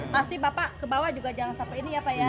pasti bapak ke bawah juga jangan sampai ini ya pak ya